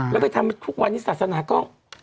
แล้วไปทำทุกวันนี้ศาสนาก็